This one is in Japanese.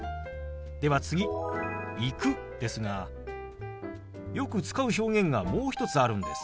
では次「行く」ですがよく使う表現がもう一つあるんです。